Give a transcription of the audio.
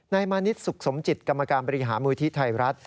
นายมานิสสมจิตกรรมการบริหามือที่ไทรรัฐ